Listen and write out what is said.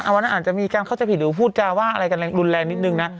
วันนั้นอาจจะมีการเข้าใจผิดหรือพูดจาว่าอะไรกันรุนแรงนิดนึงนะ